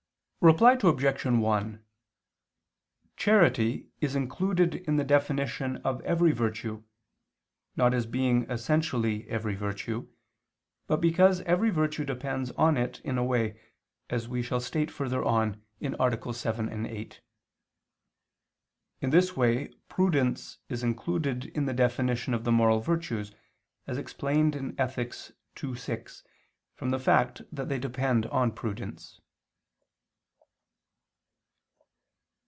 Reply Obj. 1: Charity is included in the definition of every virtue, not as being essentially every virtue, but because every virtue depends on it in a way, as we shall state further on (AA. 7, 8). In this way prudence is included in the definition of the moral virtues, as explained in Ethic. ii, vi, from the fact that they depend on prudence.